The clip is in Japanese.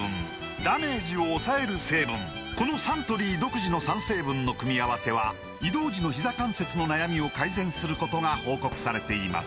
このサントリー独自の３成分の組み合わせは移動時のひざ関節の悩みを改善することが報告されています